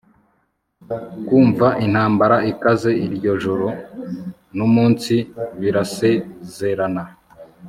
Kumva intambara ikaze iryo joro numunsi birasezerana